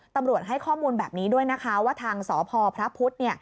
ตำรวจให้ข้อมูลแบบนี้ด้วยนะคะว่าทางสพพระพุทธ